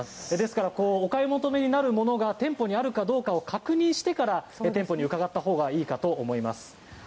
ですからお買い求めになるものが店舗にあるかどうかを確認してから伺ったほうがいいかと思います。